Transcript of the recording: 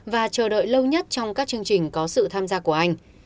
và chờ đợi lâu nhất trong các chương trình có sự tham gia của anh